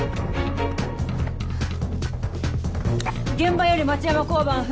現場より町山交番藤。